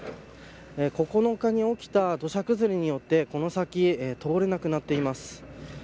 ９日に起きた土砂崩れによってこの先通れなくなっています。